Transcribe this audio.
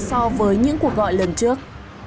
so với những cuộc gọi lần trước